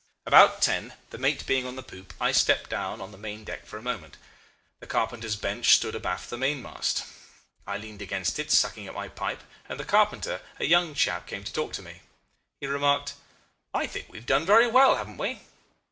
About ten, the mate being on the poop, I stepped down on the main deck for a moment. The carpenter's bench stood abaft the mainmast: I leaned against it sucking at my pipe, and the carpenter, a young chap, came to talk to me. He remarked, 'I think we have done very well, haven't we?